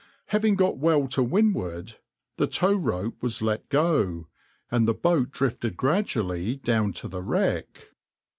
Having got well to windward, the tow rope was let go, and the boat drifted gradually down to the wreck.